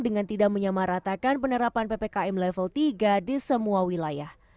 dengan tidak menyamaratakan penerapan ppkm level tiga di semua wilayah